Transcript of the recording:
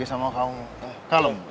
bikin abadi ulang